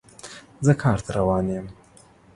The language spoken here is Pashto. زه کار ته روان یم